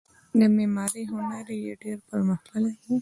د معمارۍ هنر یې ډیر پرمختللی و